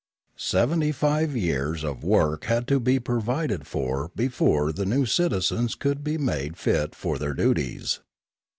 Seventy five years of work had to be provided for before the new citizens could be made fit for their duties.